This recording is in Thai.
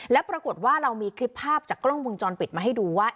แล้วปรากฏว่าเรามีคลิปภาพจากกล้องวงจรปิดมาให้ดูว่า